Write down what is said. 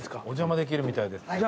お邪魔できるみたいです。